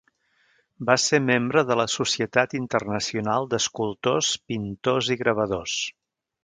Va ser membre de la Societat Internacional d'Escultors, Pintors i Gravadors.